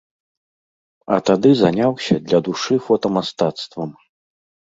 А тады заняўся для душы фотамастацтвам!